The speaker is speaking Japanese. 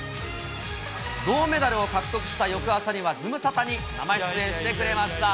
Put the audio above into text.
銅メダルを獲得した翌朝には、ズムサタに生出演してくれました。